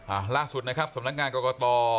อ่าล่าสุดนะครับสำนักงานกรกต